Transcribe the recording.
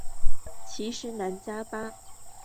其时喃迦巴藏卜已卒。